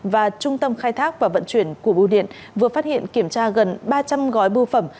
và trung tâm khai thác và vận chuyển của bưu điện vừa phát hiện kiểm tra gần ba trăm linh gói bưu phẩm